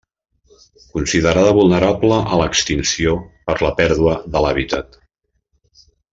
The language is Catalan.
Considerada vulnerable a l'extinció per la pèrdua de l'hàbitat.